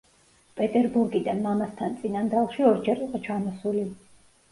პეტერბურგიდან მამასთან წინანდალში ორჯერ იყო ჩამოსული.